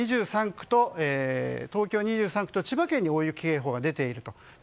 東京２３区と千葉県に大雪警報が出ている。